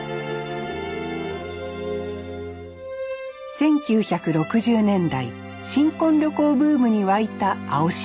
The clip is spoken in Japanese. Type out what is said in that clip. １９６０年代新婚旅行ブームに湧いた青島。